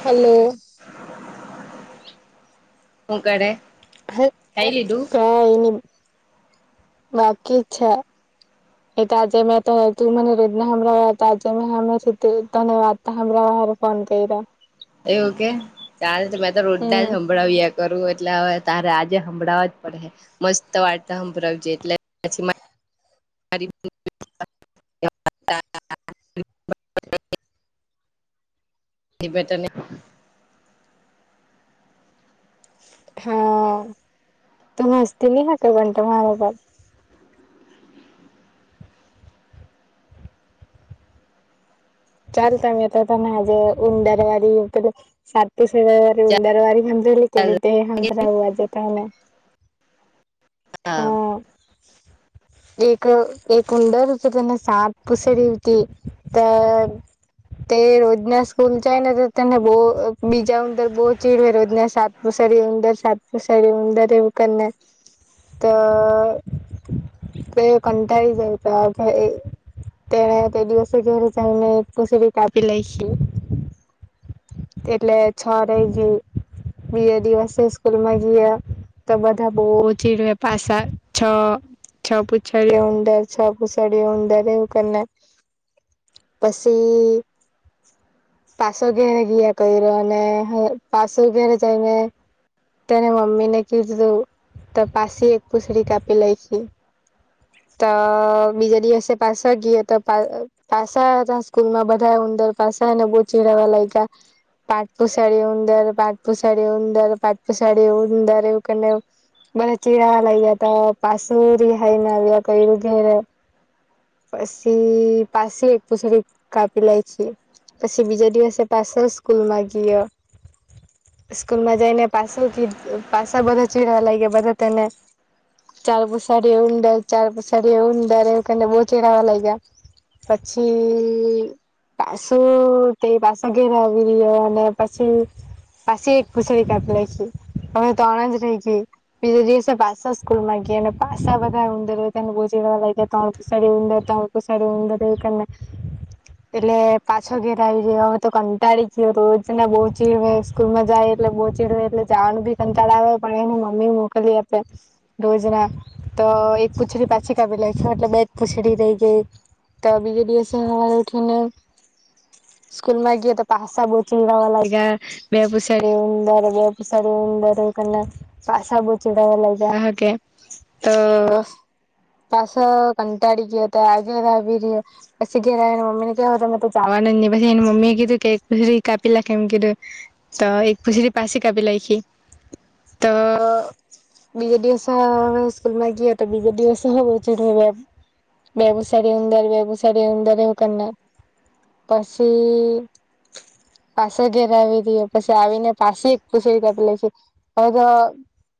Hello. હું કરે. ખાઈ લીધું હટ, કઈની બાકી છે. એ તાજે મેં તો તું મને રોજના તાજે મેં હમે ધન્ય વાદ. હર ફોન કયરા. એવું કે, ચાલ મેં તો રોજના હમ જ સંભળાવ કરું એટલે હવે, તારે આજે હભરાવા જ પડશે.. મસ્ત વાર્તા હંભરાવ જે એટલે પછી [inaudible] એ બે તને હા, તો મસ્તી નહી હતુ પણ મારા બાપા. ચાલ, તમે તો તમે આજે ઉંદરવારી પણ સાત પછી ઉંદરવાળી હમરેલી કેની તે હમરાવો આજે તમે. હા એક, એક ઉંદર હતો તેને સાત પૂંછડી હતી તે તે રોજના સ્કૂલ જાય ને તો તેને બહુ બીજા અંદર બહુ ચીડવે રોજના સાત સરી ઉંદર સાતસો સાડી ઉંદર એવું કરીને. તો [unintelligible] તેણે તે દિવસે જ તુલસી બી કાપી લાઈખી. એટલે છ રહી ગઈ બીજા દિવસે સ્કૂલમાં ગીયા. તો બધા બહુ ચીડવે પાસા છ છપુ છડી ઉંદર, છપુ છડી ઉદર એવું કરીને છી પાસો ઘેરે ગીયા કયરો અને પાસો ઘેરે જાયને તેને મમ્મીને કીધું તો પાસી એક પૂંછડી કાપી લાયખી. તો બીજા દિવસે પાસો ગીયો તો પાસા તા સ્કૂલમાં બધા ઉદર પાસા એને બહુ ચીડાવા લાય્યા. પાટપુ સાડી ઉંદર, પાટપુ સાડી ઉંદર, પાટપુ સાડી ઉંદર એવું કરને બધા ચીરાવા લાઈગા તો પાસુ એ રિહાઈને આવ્યા કયરુ ઘેરે. પસી, પાસી એક પૂંછડી કાપી લાયખી. પછી બીજા દિવસે પાછો સ્કૂલમાં ગીયો સ્કૂલમાં જઈને પાસું કીધું પાસા બધા ચીરાવા લાયગા બધા તેને ચાર પુસારી ઉંદર, ચાર પુસારી ઉંદર એવું કહીને બો ચિરાવા લાયગા. પછી પાસું તે પાછો ઘેરે આવી રહ્યો અને પછી પાસી એક પૂંછડી કાપી લાખી. હવે, ત્રણ જ રહી ગઈ બીજે દિવસે પાસો સ્કૂલમાં ગયા અને પાસા બધા ઉંદર એમ બો ચીરાવા લાગયા કે ત્રણ પૂંછાડી ઉંદર, ત્રણ પૂંછાડી ઉેદર એવું કરને. એટલે પાછો ઘેરે આવી રીયો હવે તો કંટાળી ગયો રોજના બો ચીરવે સ્કૂલમાં જાય એટલે બો ચીડવે એટલે જવાનું ભી કંટાળો આવે પણ એને મમ્મી મોકલી આપે રોજના તો એક પૂછડી પાછી કાપી લાઈખી એટલે બેજ પૂછડી રહી ગઈ. તો બીજે દિવસે હવારે ઉઠીને સ્કૂલમાં ગીયા તો પાસા બો ચીડાવા લાગ્યા બે પુસાડી ઉંદર [unintelligible] ઉદર એવું કરને પાસા બો ચીડાવા લાયગા અ તો પાસો કંટાડી ગયો અ તો ઘેરે આવીને મમ્મીને કેય અવે તો મેં તો જાવા નો જ ની પછી એને મમ્મીએ કીધું કે એક પુછડી કાપી લાખ એમ કીધું તો એક પુછડી પાસી કાપી લાઈખી તો બીજે દિવસે હવારે સ્કૂલમાં ગયો તો બીજે દિવસે હો બો ચીડ બે પૂસાડી ઉદર બે પૂસાડી ઉદર એવું કરને પસી પાસે ઘર આવી રીયો પસી આવીને પાસી પૂછડી કાપી લાઈખી અવે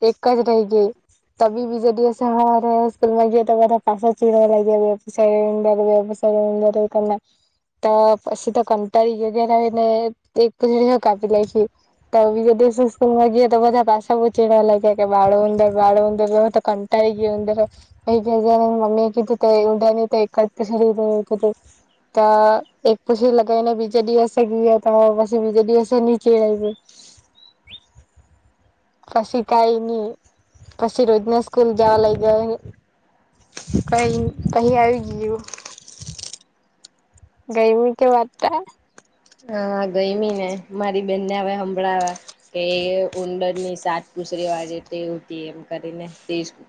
તો એક જ રેય ગઈ. તી બી બીજે દિવસે હવારે સ્કૂલમાં ગયો તો બધા પાસા ચીડાવા લાયગા બે પૂસાડી ઉદર એવું કરને તો પછી તો કંટાળી ગયો ઘેરે આવીને એક પૂછડી હો કાપી લાયખી તો જે દિવસે સ્કૂલમાં ગયો તો બધા પાસા બો ચીડાવા લાગ્યા કે બાળો ઉંદર બાળો ઉંદર હવે તો કંટાળી ગયો ઉંદર. પહી ઘેરે જાઈને એન મમ્મીએ કીધું તે ઉંદરની તો એક જ પૂછડી રેય. તો એક પૂછડી લગાઈને બીજે દિવસે ગયો તો પછી બીજે દિવસે નીચે આવ્યું. [inaudible] પસી કાઈ ની પસી રોજના સ્કૂલ જાવા લાયગો. કઈ અહીં આવી ગયું. ગયમી કે વાર્તા? હા ગયમી મને મારી બેનને હવે સંભળાવા કે ઉંંદરની સાત પૂસરી વારી તી એમ કરીને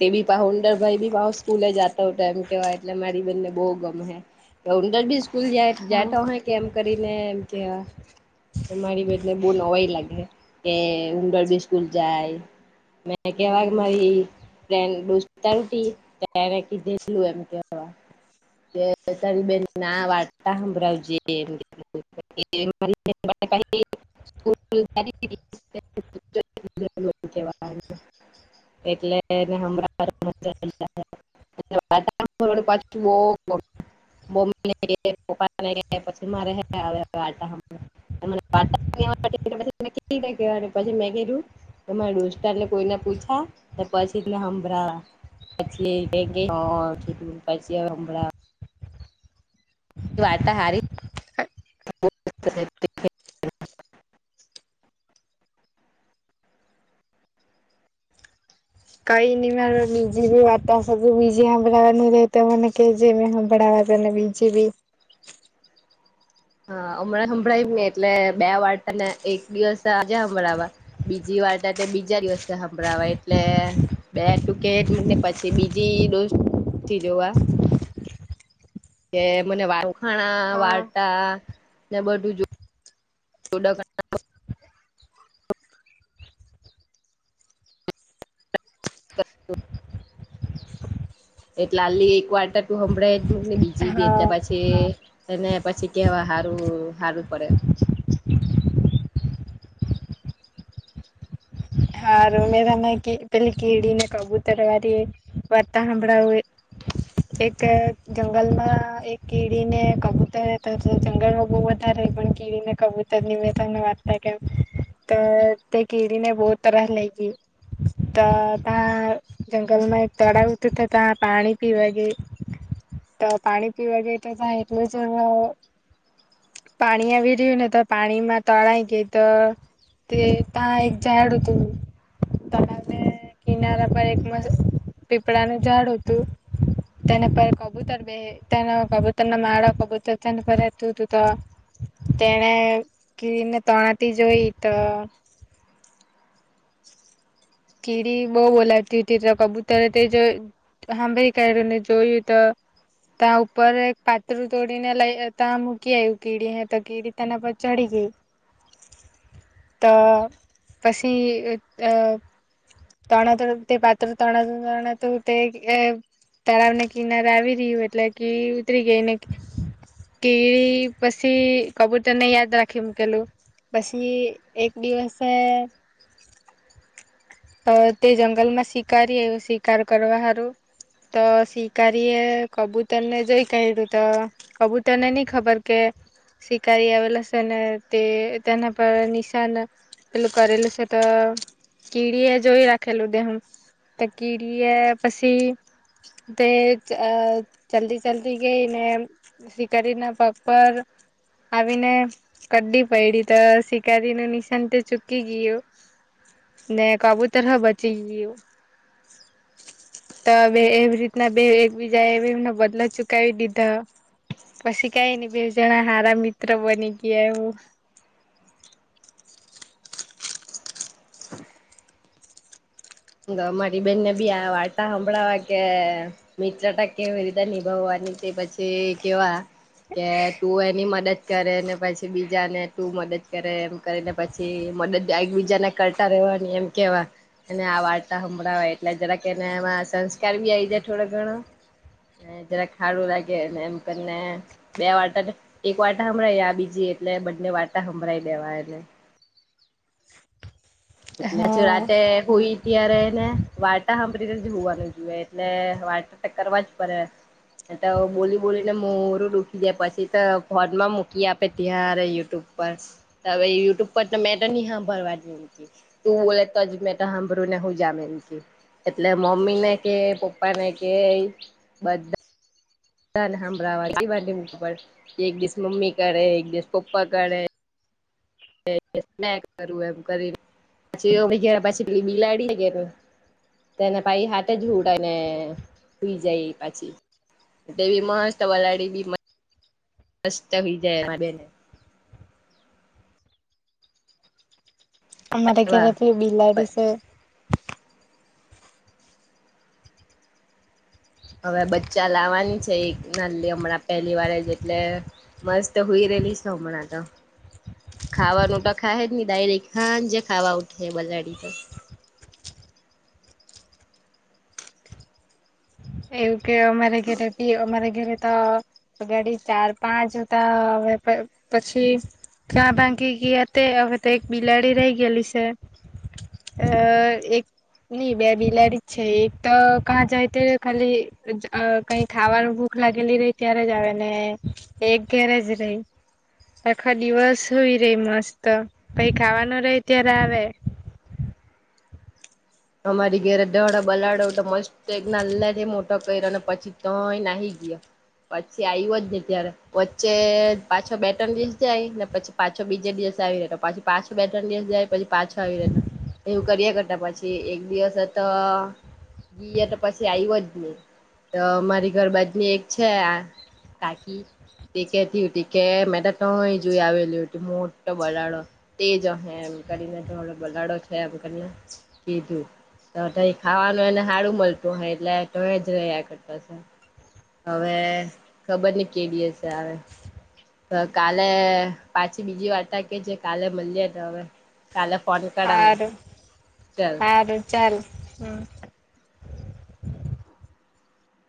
તે બી ઉંદર ભાઈ બી પાછો સ્કૂલે જતો હતો એમ. કેવાય એટલે મારી બેનને બહુ ગમે. ઉંદર બી સ્કૂલ જા હા જાતો અહે કે એમ કરીને એમ કેવા. મારી બેનને બહુ નવાઈ લાગહે કે ઉંદરબી સ્કૂલ જાય. મેં કેવા કે મારી ફ્રેન્ડ દોસ્તાર ઉતી તેણે કીધેલું એમ કેવા. તારી બેનને આ વાર્તા સાંભળાવજે એમ મારી સ્કૂલ [unintelligible] એટલેને હમણાં મ [unintelligible] પછ [unintelligible] બમ્મી ને ગ પ્પાને ગ પછી મા રહે [unintelligible] વાતાવરણવાછ [unintelligible] મે કીધુ ને કોઈને પૂછ પછા પછીને હંભળ. પછી કે હ પછિયાળ [unintelligible] વાર્તા [unintelligible] હારી [inaudible] કહી ન મા નિજ બી વાતા સું બીજી હંભળવા ન લ તો મને કે જેમમે હંભળવા. બીજે બી. હા હમં સંભળાવી ને એટલે બે વાર્તાને એક દિવસ આજે સંભળાવવા, બીજી વાર બીજા દિવસે સંભળવા એટલે, બે ટૂકે જ મકને પછી બીજી દો પી જોવા. [inaudible] કે મને વાખાણા હા વાર્તા ને બધું જો [inaudible] [inaudible] એટલે આલી એક વાર્ટર તું સંભળાય જને બીજી બે હા પછી એને પછી કેવા હારું હારું પડે. હારુ મે તને કે પેલી કીડીને કબૂતર વારી વાર્તા હંભડવું એ એક જંગલમાં એક કીડીને કબૂતર તો જંગલમાં બહ વધારે પણ કીડીને કબૂતર નિ તને વાત થા કેમ તો તે કીડીને બવ તરહ લાયગી. તો તા જંગલમાં એક તળાવ તો તો તા પાણી પીવા ગેઈ. તો પાણી પીવા ગઈ તો તા એટલું જ પાણી આવી રહ્યું ને તો પાણીમાં તણાઈ ગય તો તે તા એક ઝાડ હતું તને કિનારા પર એક પીપળાનું ઝાડ હતું તનેપરે કબૂતર બે તને કબૂતરના મા કબૂતર તનેપરે તું તતા તેણે કીરીને તણાતી જોઈ તો કીડી બઉ બોલાવતી હતી તો કબૂતર તે જો હાંભી કાઢું ને જોયું તો ત્યાં ઉપર એક પાત્રું તોડીને લઈ ત્યાં મૂકી આવું કીડી ને તો કીડી તેના પર ચડી ગય. તો પછી અ તણા તો તે પત્ર તણ તણા તું તે તળાવને કિનારે આવી રહ્યું એટલે કે ઉતરી ગઈને કીળી પછી કબૂતરને યાદ રાખી મૂકેલું. પછી એક દિવસે તો તે જંગલ માં શિકારી એવું શિકાર કરવા હારું તો શિકારી એ કબૂતરને જોઈ કાયધુ તો કબૂતરને ની ખબર કે શિકારી આવેલો સે ને તે તેના પણ નિશાન પેલું કરેલું છે તો કીડી એ જોઈ રાખેલું દેહું તે કીડી એ પસી તે અ ચાલતી ચાલતી ગઈ અને શિકારી ના પગ પર આવીને કઇડી પડી તો શિકારી ને નિશાન તો ચૂકી ગયું. ને કબૂતર હવ બચી ગયું. તો બે એવી રીતના બે એકબીજા એ એવી રીત નો બદલો ચુકાવી દીધો. પછી કાંઈ નહિ બે જણા સારા મિત્ર બની ગયા એવું. [unintelligible] મારી બેહેનને બી આ વાર્તાા સાંભળાવવા કે મિત્રતા કેવી રીતે નિભાવા અને તે પછી કેવા કે તું એની મદદ કરે ને પછી બીજા ને તું મદદ કરે એમ કરીને પછી મદદ એકબીજાને કરતા રહે્યો એમ કેવા અને આ વા [unintelligible] હમળાવાઈ એટલે જરાક એને એમાં સંસ્કાર બી આવી જાય થોડો ઘણો. જરા ખાડું લાગે ને એમ કરીને બે વાર્ટા એક વાટા હમળ આ બીજી એટલે બંને વાર્ટા સંભળઈ દેવા એને એટલે પછી હા રાતે હોઈ ત્યારેને વાર્તાા સાંભળી હોવાનું જોઈએ એટલે વાટર કરવા જ પડે. તો બોલી બોલીને મોરું દુખી દે પછી તો ફોનમાં મૂકી આપે ત્યારે યુટ્યુબ પર હવે યુટ્યુબ પર તો મેં તો નહી હાભળવાની. તું બો તો જ મે તો હંભરું ના હું જમે એમ કે એટલે મમ્મી ને કે પપ્પા ને કે બધા ધ [unintelligible] એક દિવસ મમ્મી કરે એક દિવસ પપ્પા કરે [unintelligible] કરું એમ કરી પછી [unintelligible] પછી બિલાડી ને ઘેરે તેને પાઈ હાથે જ હુવડાઈ હુઈ જાય પછી. તેવી મસ્ત વલાડી બી. મસ્ત વિ જાય બેને. અમારે ગરે એવા બી બિલાડી સે હવે બચ્ચા લાવવાની છે એક હમણાં પહેલી વાર જ એટલે મસ્ત હુઈ રહેલી હોમણા તો. ખાવાનું ટ ખાય જ નહી ડાયરેક ખં જે ખાવા ઉઠે બલાડી તો એવું કે અમારે ઘરે બી અમારે ઘરે તોગાડી ચાર પાંચતા હ પછી ક્યાં ભાંગી ગયા તે હવે એક બિલાડી રહી ગયેલી છે. અ એક ન બે બલાડી છે એક તો કા જાઈ તેઓ ખાલી કઈ ખાવાનું ભૂખ લાગેલી રહી ત્યારે જ આવે ને એક ગેરેજ રહી આખા દિવસ સુય રહી મસ્ત કઈ ખાવા ન રે ત્યારે આવે હ અમારી ઘેરે દહડા બલાડો તો મસ્તજ્ઞ લ મોટો કર્યો અને પછી તોય નાહી ગયા પછી આવ્યો જ ને ત્યારે વચ્ચે પાછો બે ત્રણ દિસ જાય ને પછી પાછો બીજે દસ પછી પાછો બેઠવા દિવસ જાય પછી પાછો આવી રહ્યો એવું કર્યા કરતા પછી જે એક દિવસ આ હતા ગીએ તો પછી આવ્યો જ નહી તો મારી ઘર બાજની એક છે આ કાકી તે કેતી હતી કે મે તોય જોઈ આવેલું હતું મોટ તો બરાડો તે જ કરીને ધોડો બલાડો છે એમ કરીને તો કીધું. ખાવાનું એને હારું મળતું હો એટલે તો જ ર આ કર હવે ખબર નઈ કેડી હ છે આવે કાલે પાછી બીજી વાર્તા કે જે કાલે મળએ હવે કાલે ફોન કર મેં હારું ચલ હારું ચાલ હમ